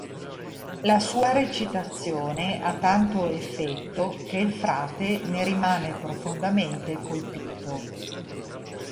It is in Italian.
La sua recitazione ha tanto effetto che il frate ne rimane profondamente colpito.